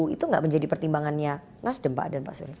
itu gak menjadi pertimbangannya nas dan pak dan pak suri